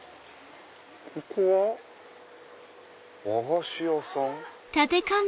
ここは和菓子屋さん？